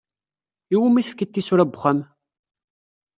I wumi tefkiḍ tisura n wexxam?